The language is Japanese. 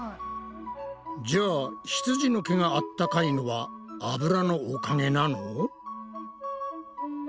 じゃあひつじの毛があったかいのはあぶらのおかげなの？